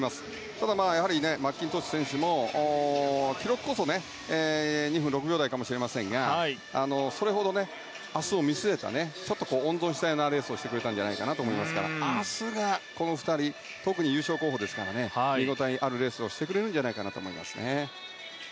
ただ、マッキントッシュ選手も記録こそ２分６秒台かもしれませんがそれほど、明日を見据えたちょっと温存したようなレースをしたんじゃないかと思うので明日がこの２人特に優勝候補ですから見ごたえあるレースをしてくれると思いますね。